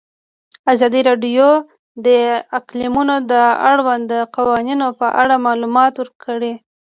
ازادي راډیو د اقلیتونه د اړونده قوانینو په اړه معلومات ورکړي.